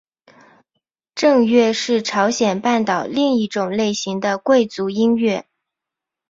正乐是朝鲜半岛另一种类型的贵族音乐。